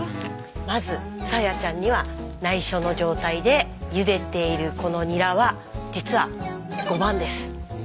まずさあやちゃんにはないしょの状態でゆでているこのニラは実は５番です。